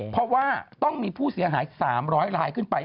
เพราะว่าต้องมีผู้เสียหาย๓๐๐ลายขึ้นไป